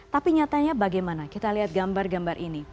tapi nyatanya bagaimana kita lihat gambar gambar ini